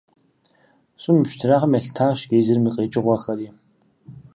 ЩӀым и пщтырагъым елъытащ гейзерым и къикӀыгъуэхэри.